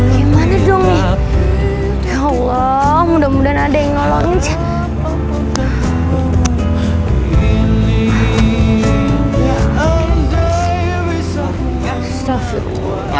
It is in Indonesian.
gimana dong ya allah mudah mudahan ada yang nolong